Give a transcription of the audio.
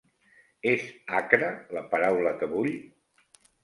És "acre" la paraula que vull?